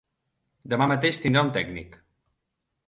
Demà mateix tindrà un tècnic.